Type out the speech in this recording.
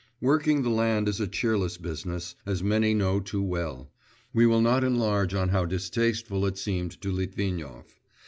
Working the land is a cheerless business, as many know too well; we will not enlarge on how distasteful it seemed to Litvinov.